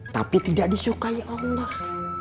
tapi tidak disukai allah